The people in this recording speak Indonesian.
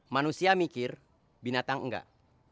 manusia mikir binatang enggak